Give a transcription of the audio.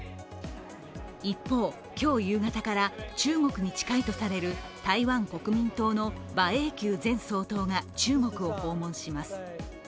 一方、今日夕方から中国に近いとされる台湾・国民党の馬英九前総統が中国を訪問します。